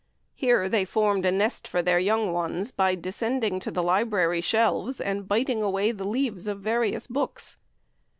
Here they formed a nest for their young ones by descending to the library shelves and biting away the leaves of various books.